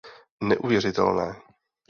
Neuvěřitelné.